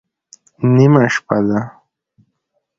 _نيمه شپه ده.